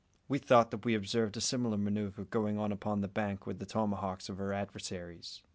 We thought that we observed a similar manoeuvre going on upon the opposite bank with the tomahawks of our adversaries.